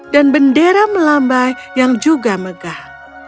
dan bendera melambai yang juga megah